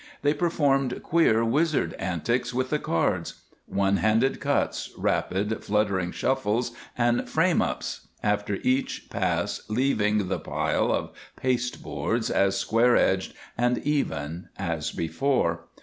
They performed queer, wizard antics with the cards one handed cuts, rapid, fluttering shuffles and "frame ups," after each pass leaving the pile of pasteboards as square edged and even as before.